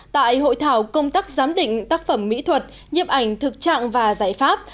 tại hội thảo công tác giám định tác phẩm mỹ thuật nhiếp ảnh thực trạng và giải pháp